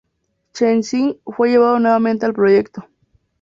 Chen Xing fue llevado nuevamente al proyecto.